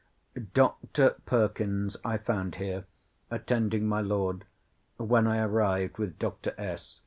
Dr. Perkins I found here, attending my Lord, when I arrived with Dr. S.